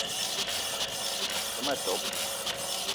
Ve ma tok :